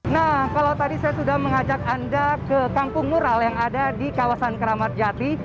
nah kalau tadi saya sudah mengajak anda ke kampung mural yang ada di kawasan keramat jati